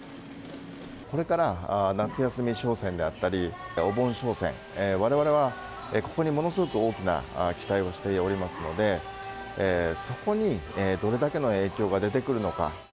これから夏休み商戦であったり、お盆商戦、われわれはここにものすごく大きな期待をしておりますので、そこにどれだけの影響が出てくるのか。